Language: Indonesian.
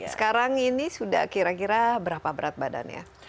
sekarang ini sudah kira kira berapa berat badannya